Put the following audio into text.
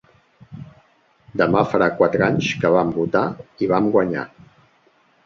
Demà farà quatre anys que vam votar i vam guanyar.